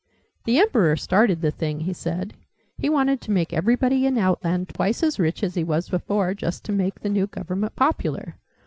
"The Emperor started the thing," he said. "He wanted to make everybody in Outland twice as rich as he was before just to make the new Government popular.